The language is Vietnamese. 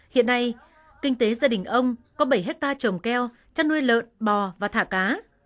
hiện nay kinh tế gia đình ông có bảy hectare trồng keo chăn nuôi lợn bò và thả cá